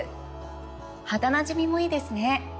肌なじみもいいですね！